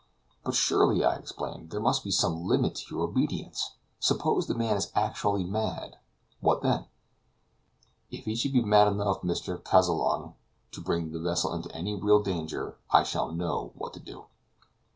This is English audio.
"But surely," I exclaimed, "there must be some limit to your obedience! Suppose the man is actually mad, what then?" "If he should be mad enough, Mr. Kazallon, to bring the vessel into any real danger, I shall know what to do."